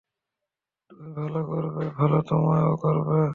তুমি ভালো করবে, ভালো তোমায়ও করবে।